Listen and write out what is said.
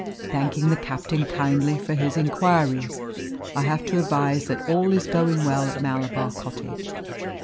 Thanking the captain kindly for his inquiries, I have to advise that all is going well at Malabar Cottage.